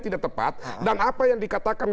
tidak tepat dan apa yang dikatakan